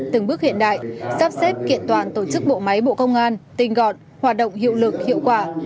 từng bước hiện đại sắp xếp kiện toàn tổ chức bộ máy bộ công an tình gọn hoạt động hiệu lực hiệu quả